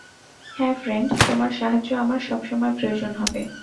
হ্যাঁ ফ্রেড, তোমার সাহায্য আমার সবসময় প্রয়োজন হবে।